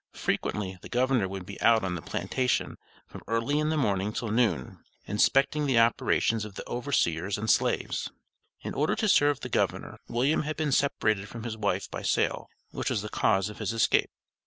Frequently, the governor would be out on the plantation from early in the morning till noon, inspecting the operations of the overseers and slaves. In order to serve the governor, William had been separated from his wife by sale, which was the cause of his escape.